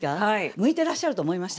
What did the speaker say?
向いてらっしゃると思いました。